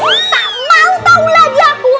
tak mau tahu lagi aku